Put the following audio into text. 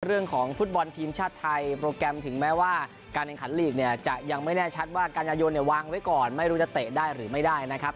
เรื่องของฟุตบอลทีมชาติไทยโปรแกรมถึงแม้ว่าการแข่งขันลีกเนี่ยจะยังไม่แน่ชัดว่ากันยายนเนี่ยวางไว้ก่อนไม่รู้จะเตะได้หรือไม่ได้นะครับ